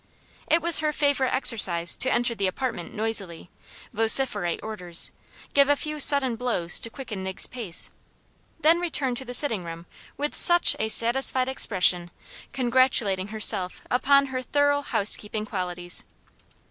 It was her favorite exercise to enter the apartment noisily, vociferate orders, give a few sudden blows to quicken Nig's pace, then return to the sitting room with SUCH a satisfied expression, congratulating herself upon her thorough house keeping qualities.